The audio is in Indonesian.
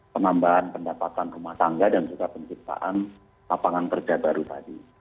penambahan pendapatan rumah tangga dan juga penciptaan lapangan kerja baru tadi